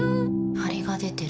ハリが出てる。